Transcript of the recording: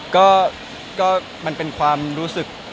ก็มันเป็นความรู้สึก